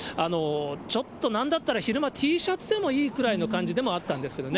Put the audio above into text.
ちょっと、なんだったら昼間、Ｔシャツでもいいぐらいの感じでもあったんですけどね。